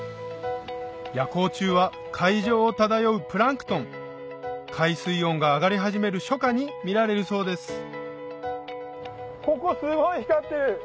夜光虫は海上を漂うプランクトン海水温が上がり始める初夏に見られるそうですホホホ！